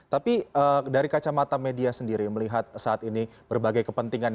tapi dari kacamata media sendiri melihat saat ini berbagai kepentingan